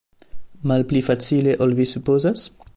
Malpli facile ol vi supozas?